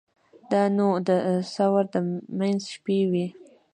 دا نو د ثور د منځ شپې وې.